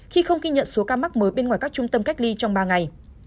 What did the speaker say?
khi không ghi nhận số ca mắc mới bên ngoài các trung tâm cách ly trong ba ngày